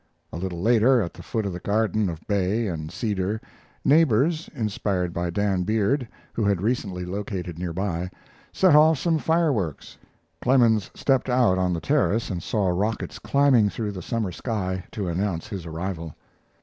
A little later; at the foot of the garden of bay and cedar, neighbors, inspired by Dan Beard, who had recently located near by, set off some fireworks. Clemens stepped out on the terrace and saw rockets climbing through the summer sky to announce his arrival.